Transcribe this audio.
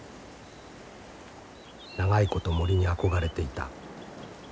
長いこと森に憧れていた。